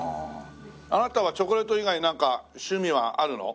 あなたはチョコレート以外なんか趣味はあるの？